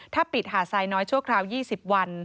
ถ้าปิดหาดทรายน้อยชั่วคราว๒๐วัน